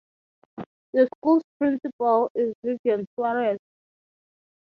The school's principal is Vivian Suarez.